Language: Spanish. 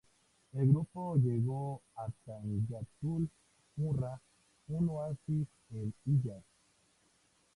El grupo llegó a Thanyatul-Murra, un oasis en Hiyaz.